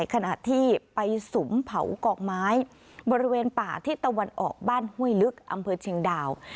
ขณะที่ไปสุมเผากอกไม้บริเวณป่าที่ตะวันออกบ้านห้วยลึกอำเภอเชียงดาว